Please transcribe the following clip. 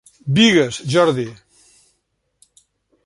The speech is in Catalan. Bigues, Jordi.